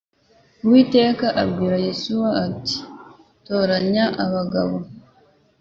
uwiteka abwira yosuwa ati toranya abagabo